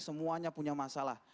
semuanya punya masalah